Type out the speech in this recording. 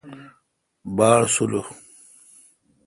باڑسولح۔